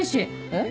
えっ？